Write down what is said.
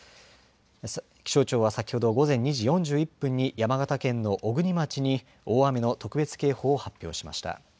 気象庁は先ほど午前２時４１分に山形県の小国町に大雨の特別警報を発表しました。